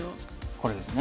これですね。